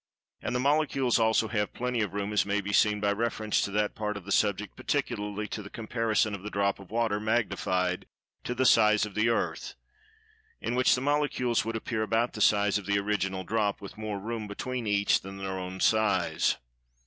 And the Molecules also have "plenty of room," as may be seen by reference to that part of the subject, particularly to the comparison of the drop of water magnified to the size of the Earth, in which the Molecules would appear about the size of the original drop with more room between each than their own size.